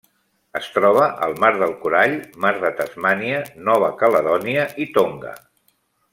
Es troba al Mar del Corall, Mar de Tasmània, Nova Caledònia i Tonga.